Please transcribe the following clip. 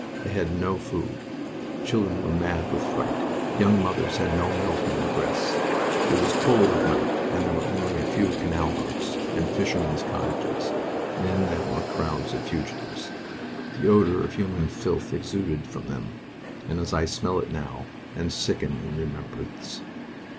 They had no food. Children were mad with fright. Young mothers had no milk in their breasts. It was cold at night and there were only a few canal boats and fishermen's cottages, and in them were crowds of fugitives. The odor of human filth exuded from them, as I smell it now, and sicken in remembrance....